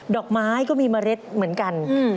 อกไม้ก็มีเมล็ดเหมือนกัน